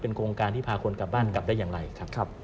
โครงการที่พาคนกลับบ้านกลับได้อย่างไรครับ